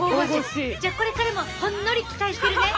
じゃあこれからもほんのり期待してるね。